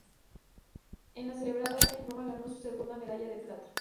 En la celebrada en Roma ganó su segunda medalla de plata.